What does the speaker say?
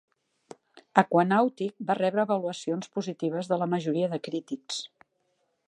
"Aquanautic" va rebre avaluacions positives de la majoria de crítics.